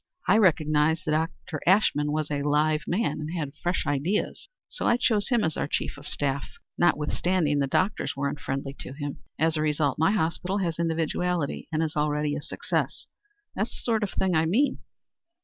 I recognized that Dr. Ashmun was a live man and had fresh ideas, so I chose him as our chief of staff, notwithstanding the doctors were unfriendly to him. As a result, my hospital has individuality, and is already a success. That's the sort of thing I mean.